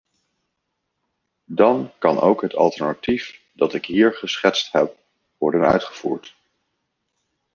Dan kan ook het alternatief dat ik hier geschetst heb worden uitgevoerd.